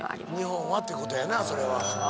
日本はっていうことやなそれは。